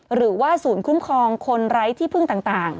หรือว่าศูนย์คุ้มครองคนไร้ที่พึ่งต่าง